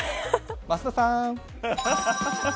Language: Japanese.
増田さん。